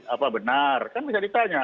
apa benar kan bisa ditanya